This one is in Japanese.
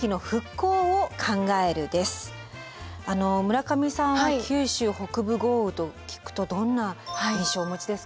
村上さんは九州北部豪雨と聞くとどんな印象をお持ちですか。